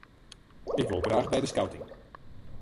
Ik wol graach by de skouting.